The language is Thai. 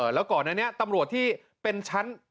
แล้วก่อนอันนี้ตำรวจที่เป็นชั้น